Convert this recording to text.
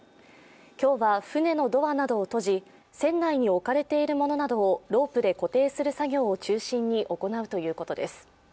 今日は船のドアなどを閉じ船内に置かれているものをロープで固定する作業を中心に行うということです。